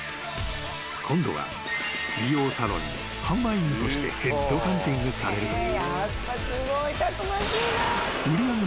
［今度は美容サロンに販売員としてヘッドハンティングされると］